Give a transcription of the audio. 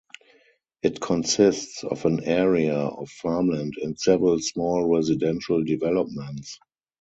It consists of an area of farmland and several small residential developments.